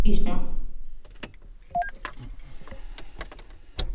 kutoka kwa sekta hiyo Wakati uliopita mbinu hizi za kusuluhisha